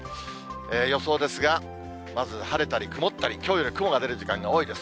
予想ですが、まず晴れたり曇ったり、きょうより雲が出る時間が多いです。